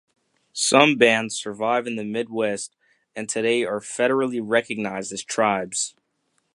Some bands survived in the Midwest and today are federally recognized as tribes.